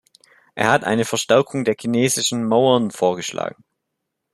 Er hat eine Verstärkung dieser chinesischen Mauern vorgeschlagen.